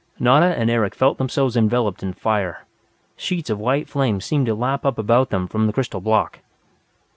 Nada and Eric felt themselves enveloped in fire. Sheets of white flame seemed to lap up about them from the crystal block.